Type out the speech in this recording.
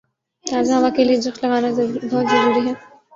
تازہ ہوا کے لیے درخت لگانا بہت ضروری ہے۔